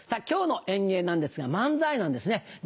今日の演芸なんですが漫才なんですね。